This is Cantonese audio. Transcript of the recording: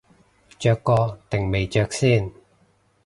着過定未着先